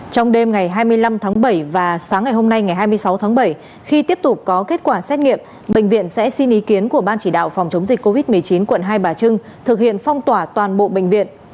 trong đêm ngày hai mươi năm tháng bảy và sáng ngày hôm nay ngày hai mươi sáu tháng bảy khi tiếp tục có kết quả xét nghiệm bệnh viện sẽ xin ý kiến của ban chỉ đạo phòng chống dịch covid một mươi chín quận hai bà trưng thực hiện phong tỏa toàn bộ bệnh viện